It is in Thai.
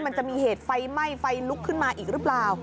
มันจะมีเหตุไฟไหม้ไฟลุกขึ้นมาอีกหรือเปล่า